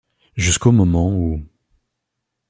Jusqu’au moment où…